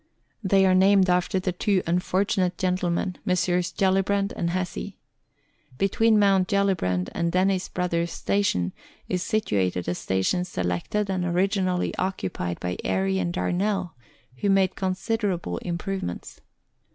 They are named after the two unfortunate gentle men, Messrs. Gellibrand and Hesse. Between Mount Gellibraud and Dennis Brothers' station is situated a station selected and originally occupied by Airey and Darnell, who made considerable improvements.